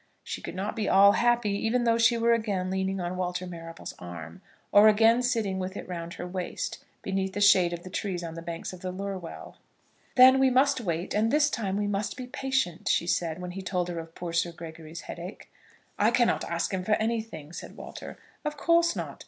She could not be all happy, even though she were again leaning on Walter Marrable's arm, or again sitting with it round her waist, beneath the shade of the trees on the banks of the Lurwell. "Then we must wait, and this time we must be patient," she said, when he told her of poor Sir Gregory's headache. "I cannot ask him for anything," said Walter. "Of course not.